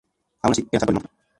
Aun así, el asalto alemán fracasó.